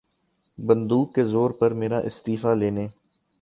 بندوق کے زور پر میرا استعفیٰ لینے